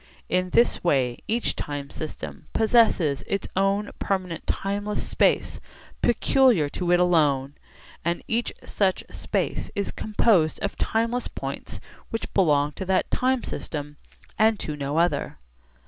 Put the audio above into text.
In this way each time system possesses its own permanent timeless space peculiar to it alone, and each such space is composed of timeless points which belong to that time system and to no other.